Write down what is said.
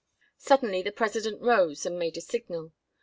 Suddenly the president rose and made a signal.